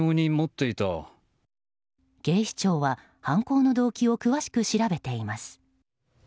警視庁は犯行の動機を詳しく調べています。